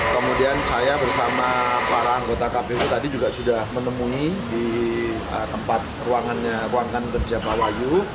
kemudian saya bersama para anggota kpu tadi juga sudah menemui di tempat ruangan kerja pak wahyu